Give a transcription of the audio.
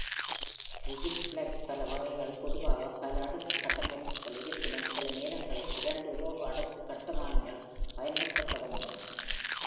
Rigid-flex பலகைகள் பொதுவாக பல அடுக்கு கட்டமைப்புகள்; இருப்பினும், சில நேரங்களில் இரண்டு உலோக அடுக்குக் கட்டுமானங்கள் பயன்படுத்தப்படுகின்றன.